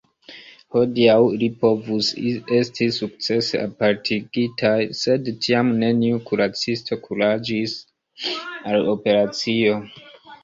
Hodiaŭ ili povus esti sukcese apartigitaj, sed tiam neniu kuracisto kuraĝis al operacio.